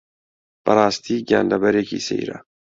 بەڕاستی گیانلەبەرێکی سەیرە